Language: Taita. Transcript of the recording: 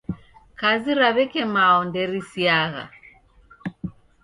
Kazi ra w'eke mao nderisiagha